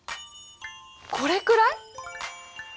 これくらい？